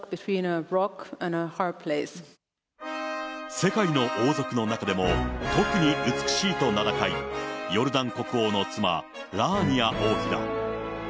世界の王族の中でも特に美しいと名高い、ヨルダン国王の妻、ラーニア王妃だ。